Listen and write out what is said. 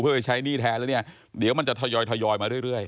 เพื่อไปใช้หนี้แทนแล้วเนี่ยเดี๋ยวมันจะทยอยมาเรื่อย